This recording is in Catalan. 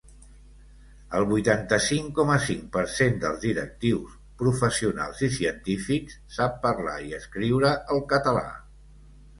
El vuitanta-cinc coma cinc per cent dels directius, professionals i científics sap parlar i escriure el català.